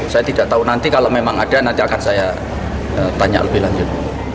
saya tidak tahu nanti kalau memang ada nanti akan saya tanya lebih lanjut